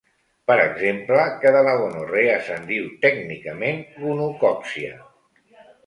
Per exemple, que de la gonorrea se'n diu tècnicament gonocòccia.